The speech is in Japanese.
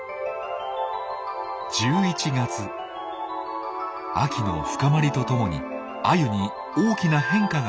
秋の深まりとともにアユに大きな変化が起こります。